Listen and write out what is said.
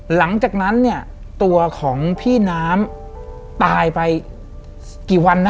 หลังจากนั้นเนี่ยตัวของพี่น้ำตายไปกี่วันนะ